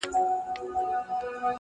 ساده فکر ستونزې کوچنۍ کوي,